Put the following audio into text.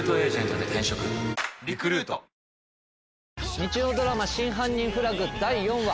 日曜ドラマ『真犯人フラグ』第４話。